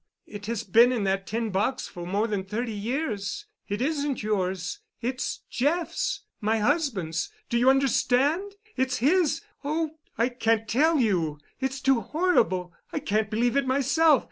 It has been in that tin box for more than thirty years. It isn't yours. It's Jeff's—my husband's—do you understand? It's his—oh, I can't tell you. It's too horrible. I can't believe it myself.